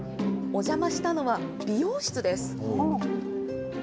お邪魔したのは、美容室です。